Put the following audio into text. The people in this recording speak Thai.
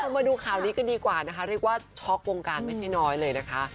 มาดูข่าวนี้กันดีกว่านะคะเรียกว่าช็อกวงการไม่ใช่น้อยเลยนะคะ